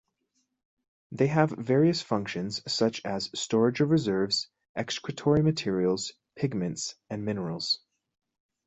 They have various functions such as storage of reserves, excretory materials, pigments, and minerals.